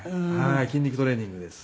筋肉トレーニングです。